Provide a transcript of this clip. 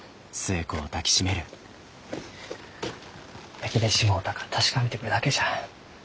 焼けてしもうたか確かめてくるだけじゃ。